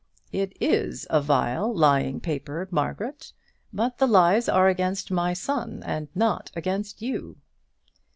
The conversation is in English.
"It is a vile, lying paper, Margaret; but the lies are against my son, and not against you."